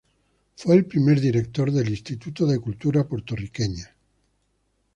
Fue el primer director del Instituto de Cultura Puertorriqueña.